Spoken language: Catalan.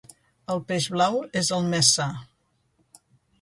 El peix blau és el més sa.